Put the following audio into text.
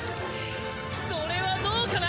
それはどうかな！